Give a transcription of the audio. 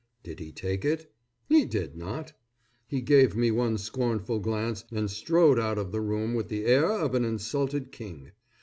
Did he take it? He did not. He gave me one scornful glance and strode out of the room with the air of an insulted king.